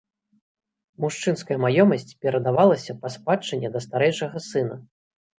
Мужчынская маёмасць перадавалася па спадчыне да старэйшага сына.